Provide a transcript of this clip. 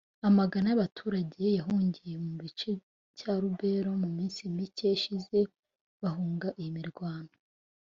Amagana y’abaturage yahungiye mu gice cya Lubero mu minsi micye ishize bahunga iyi mirwano